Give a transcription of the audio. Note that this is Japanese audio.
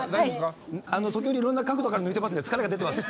時折、いろんな角度から抜いていますが疲れが出てます